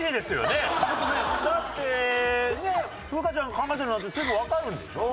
だってね風花ちゃんが考えたのなんてすぐわかるんでしょ？